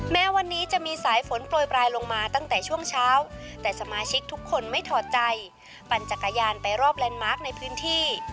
แม้วันนี้จะมีสายฝนโปรยปลายลงมาตั้งแต่ช่วงเช้าแต่สมาชิกทุกคนไม่ถอดใจปั่นจักรยานไปรอบแลนด์มาร์คในพื้นที่